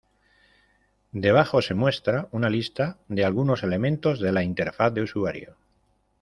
Debajo se muestra un lista de algunos elementos de la interfaz de usuario.